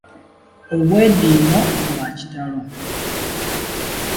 Obwediimo bwa kitalo.